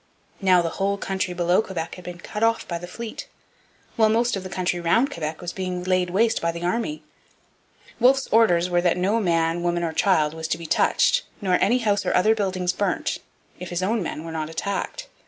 Now the whole country below Quebec had been cut off by the fleet, while most of the country round Quebec was being laid waste by the army. Wolfe's orders were that no man, woman, or child was to be touched, nor any house or other buildings burnt, if his own men were not attacked.